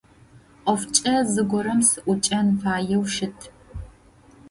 Ӏофкӏэ зыгорэм сыӏукӏэн фаеу щыт.